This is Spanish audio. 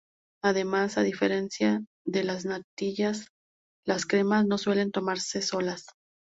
Además, a diferencia de las natillas las cremas no suelen tomarse solas.